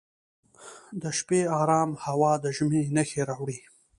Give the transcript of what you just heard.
د شپې ارام هوا د ژمي نښې راوړي.